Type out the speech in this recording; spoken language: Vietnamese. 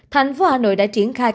thành phố hà nội đã triển khai